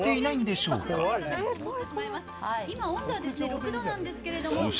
６℃なんですけれども。